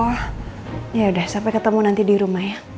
wah yaudah sampai ketemu nanti di rumah ya